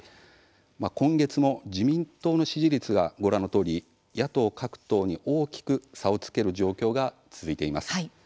今月も自民党の支持率がご覧のとおり野党各党に大きく差をつける状況が続いています。